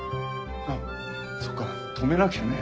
あっそっか止めなきゃね。